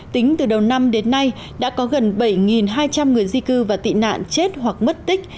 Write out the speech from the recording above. tính từ đầu năm đến nay đã có gần bảy hai trăm linh người di cư và tị nạn chết hoặc mất tích